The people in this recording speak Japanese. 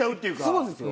そうですよ